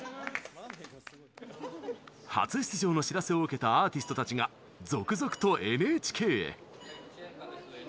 初出場の知らせを受けたアーティストたちが続々とＮＨＫへ。